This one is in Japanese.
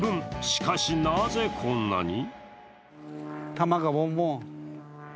しかし、なぜこんなに？